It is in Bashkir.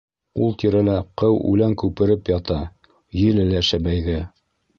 Ул тирәлә ҡыу үлән күпереп ята, еле лә шәбәйҙе.